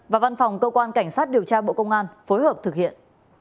và văn phòng cơ quan cảnh sát điều tra bộ công an phối hợp thực hiện